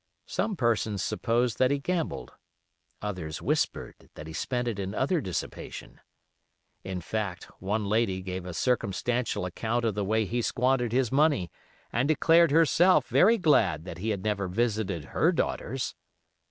Some persons supposed that he gambled; others whispered that he spent it in other dissipation. In fact, one lady gave a circumstantial account of the way he squandered his money, and declared herself very glad that he had never visited her daughters.